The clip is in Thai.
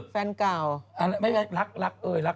แฟนเก่า